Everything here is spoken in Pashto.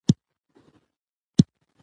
د سان فرانسیسکو دې کونچوز خلک راټول شوي دي.